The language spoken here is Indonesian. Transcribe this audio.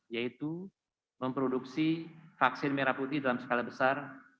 yaitu memproduksi vaksin merah putih dalam skala besar